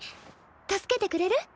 助けてくれる？